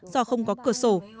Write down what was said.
do không có cửa sổ